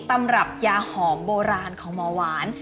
ตำรับยาหอมโบราณของหมอหวาน